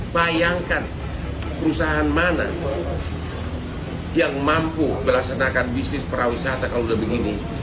bayangkan perusahaan mana yang mampu melaksanakan bisnis perawisata kalau sudah begini